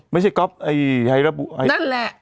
ไม่ใช่ก๊อฟไอ้ไฮรับูนั่นแหละ